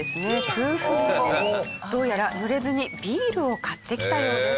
数分後どうやら濡れずにビールを買ってきたようです。